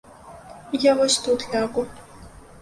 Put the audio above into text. Я вось тут лягу.